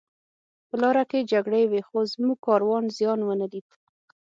په لاره کې جګړې وې خو زموږ کاروان زیان ونه لید